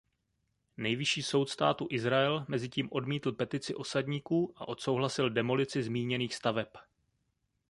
Nejvyšší soud Státu Izrael mezitím odmítl petici osadníků a odsouhlasil demolici zmíněných staveb.